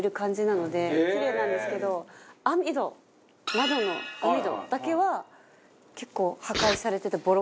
窓の網戸だけは結構破壊されててボロボロで。